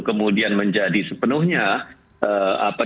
kemudian menjadi sepenuhnya